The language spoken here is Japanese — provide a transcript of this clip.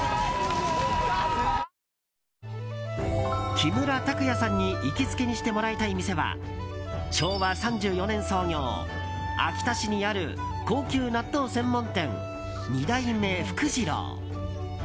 木村拓哉さんに行きつけにしてもらいたい店は昭和３４年創業、秋田市にある高級納豆専門店、二代目福治郎。